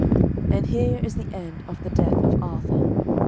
And here is the end of the Death of Arthur.